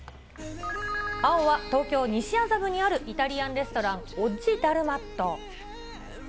青は東京・西麻布にあるイタリアンレストラン、オッジダルマット。